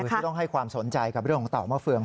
ที่ต้องให้ความสนใจกับเรื่องของเต่ามะเฟือง